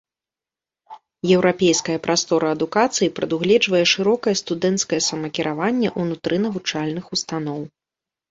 Еўрапейская прастора адукацыі прадугледжвае шырокае студэнцкае самакіраванне ўнутры навучальных установаў.